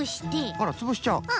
あらつぶしちゃう？